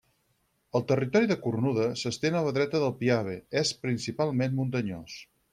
El territori de Cornuda s'estén a la dreta del Piave, és principalment muntanyós.